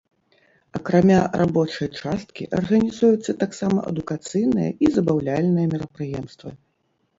Акрамя рабочай часткі арганізуюцца таксама адукацыйныя і забаўляльныя мерапрыемствы.